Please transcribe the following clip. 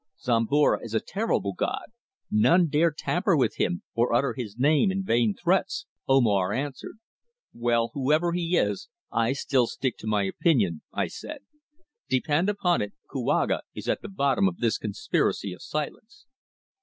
"Zomara is a terrible god. None dare tamper with him, or utter his name in vain threats," Omar answered. "Well, whoever he is I still stick to my opinion," I said. "Depend upon it Kouaga is at the bottom of this conspiracy of silence."